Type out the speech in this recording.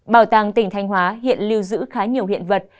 bảo tàng tỉnh thanh hóa hiện lưu giữ khá nhiều hiện vật